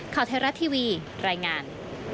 ข่าวไทยรัฐทีวีรายงาน